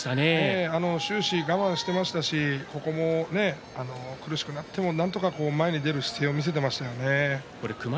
終始、我慢していましたし苦しくなってもなんとか前に出る姿勢を最後も見せていましたね。